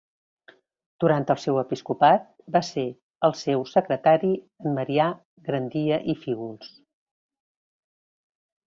Durant el seu episcopat, va ser el seu secretari en Marià Grandia i Fígols.